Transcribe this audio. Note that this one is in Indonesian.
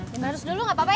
lo barus dulu gak apa apa ya